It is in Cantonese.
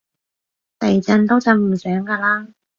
地震都震唔醒㗎喇